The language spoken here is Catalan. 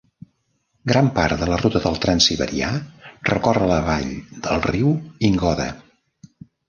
Gran part de la ruta del transsiberià recorre la vall del riu Ingoda.